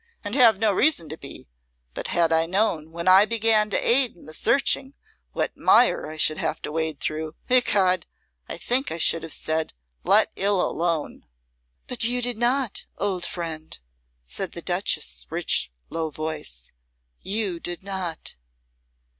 and have no reason to be; but had I known, when I began to aid in the searching, what mire I should have to wade through, ecod! I think I should have said, 'Let ill alone.'" "But you did not, old friend," said the Duchess's rich, low voice; "you did not."